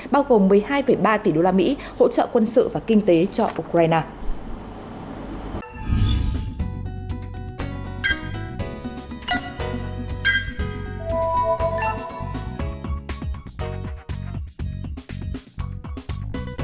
bao gồm một mươi hai ba tỷ usd hỗ trợ quân sự và kinh tế cho ukraine